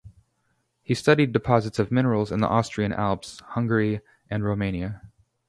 He studied deposits of minerals in the Austrian Alps, Hungary, and Romania.